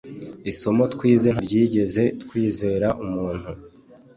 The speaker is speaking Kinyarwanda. Isomo twize ntabwo ryigeze twizera umuntu